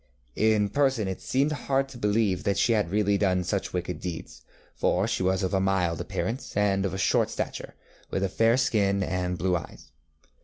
In person it seemed hard to believe that she had really done such wicked deeds, for she was of a mild appearance, and of short stature, with a fair skin and blue eyes.